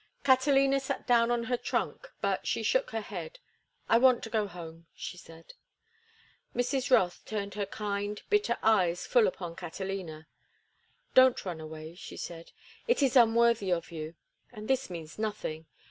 Catalina sat down on her trunk, but she shook her head. "I want to go home," she said. Mrs. Rothe turned her kind, bitter eyes full upon Catalina. "Don't run away," she said. "It is unworthy of you. And this means nothing.